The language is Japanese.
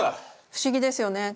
不思議ですよね。